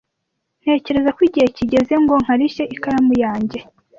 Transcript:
Ntekereza ko igihe kigeze ngo nkarishe ikaramu yanjye.